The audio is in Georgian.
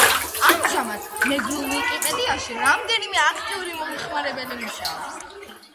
ამჟამად, მეგრულ ვიკიპედიაში რამდენიმე აქტიური მომხმარებელი მუშაობს.